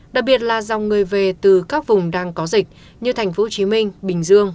đặc biệt là dòng người về từ các vùng đang có dịch như tp hcm bình dương